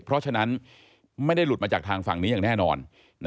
เพราะฉะนั้นไม่ได้หลุดมาจากทางฝั่งนี้อย่างแน่นอน